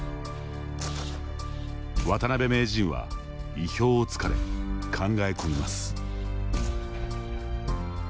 渡辺名人は意表をつかれ考え込みます。